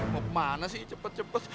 mau ke mana sih cepet cepet